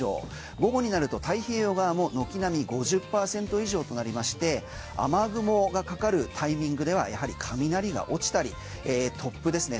午後になると太平洋側も軒並み５０％以上となりまして雨雲がかかるタイミングではやはり雷が落ちたり突風ですね